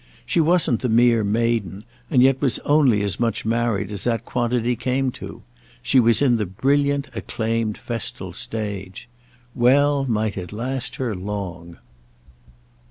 She wasn't the mere maiden, and yet was only as much married as that quantity came to. She was in the brilliant acclaimed festal stage. Well, might it last her long!